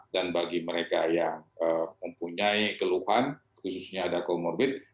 dan bagi mereka yang mempunyai keluhan khususnya ada comorbid